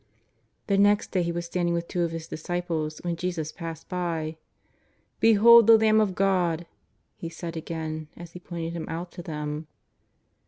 '^ The next day he was standing with two of his disci ples when Jesus passed by: " Behold the Lamb of God," he said again, as he pointed Him out to them.